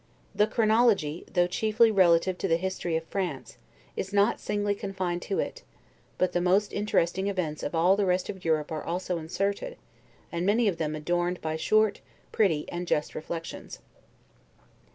The chronology, though chiefly relative to the history of France, is not singly confined to it; but the most interesting events of all the rest of Europe are also inserted, and many of them adorned by short, pretty, and just reflections.